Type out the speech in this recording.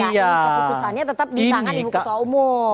keputusannya tetap di tangan ibu ketua umum